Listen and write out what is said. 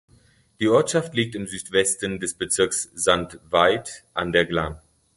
Die Ortschaft liegt im Südwesten des Bezirks Sankt Veit an der Glan.